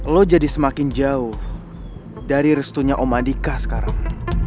lo jadi semakin jauh dari restunya om adika sekarang